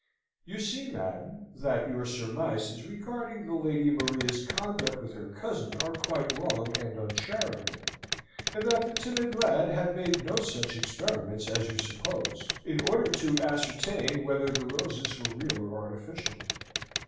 (You see, madam, that your surmises regarding the Lady Maria's conduct with her cousin are quite wrong and uncharitable, and that the timid lad had made no such experiments as you suppose, in order to ascertain whether the roses were real or artificial.